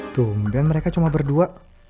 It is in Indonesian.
tunggu dan mereka cuma berdua